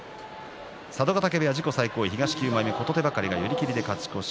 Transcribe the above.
佐渡ヶ嶽部屋自己最高位琴手計は寄り切りで勝ち越し。